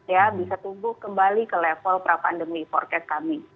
ya bisa tumbuh kembali ke level pra pandemi forecast kami